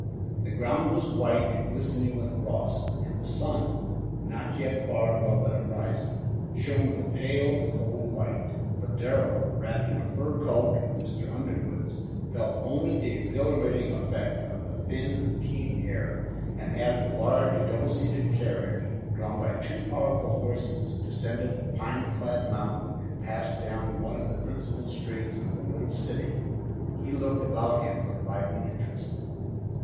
The ground was white and glistening with frost, and the sun, not yet far above the horizon, shone with a pale, cold light, but Darrell, wrapped in a fur coat of Mr. Underwood's, felt only the exhilarating effect of the thin, keen air, and as the large, double seated carriage, drawn by two powerful horses, descended the pine clad mountain and passed down one of the principal streets of the little city, he looked about him with lively interest.